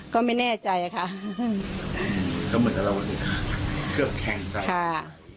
ก็ไม่แน่ใจค่ะก็เหมือนกับเราวันนี้ค่ะเคลือบแข่งกันค่ะ